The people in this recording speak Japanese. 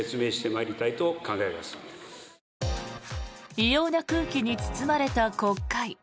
異様な空気に包まれた国会。